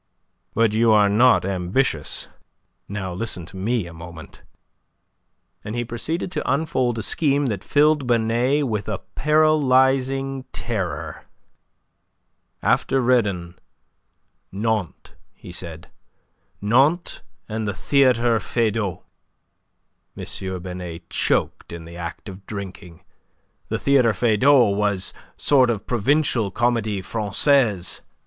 "But you are not ambitious. Now listen to me, a moment." And he proceeded to unfold a scheme that filled Binet with a paralyzing terror. "After Redon, Nantes," he said. "Nantes and the Theatre Feydau." M. Binet choked in the act of drinking. The Theatre Feydau was a sort of provincial Comedie Francaise.